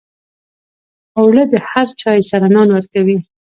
اوړه د هر چای سره نان ورکوي